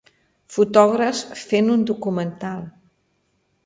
Fotògrafs fent un documental.